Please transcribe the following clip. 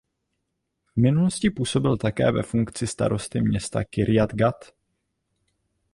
V minulosti působil také ve funkci starosty města Kirjat Gat.